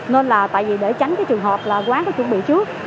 nên là tại vì để tránh cái trường hợp là quán có chuẩn bị trước